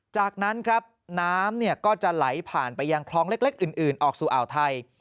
จากนั้นครับน้ำก็จะไหลผ่านไปยังคลองเล็กอื่นออกสู่อ่าวไทย